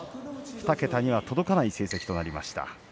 ２桁には届かない成績となりました。